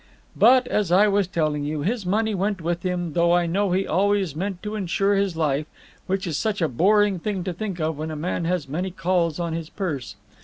"But as I was telling you, his money went with him, though I know he always meant to insure his life, which is such a boring thing to think of when a man has many calls on his purse.